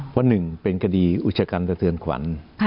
เพราะหนึ่งเป็นคดีอุชกันสะเทือนขวัญ